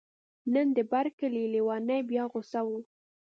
نن د بر کلي لیونی بیا غوسه و